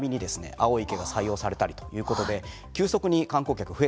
青い池が採用されたりということで急速に観光客増えてきたんですね。